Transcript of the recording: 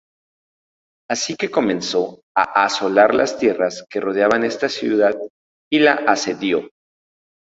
Así que comenzó a asolar las tierras que rodeaban esta ciudad y la asedió.